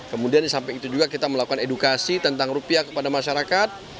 kemudian di samping itu juga kita melakukan edukasi tentang rupiah kepada masyarakat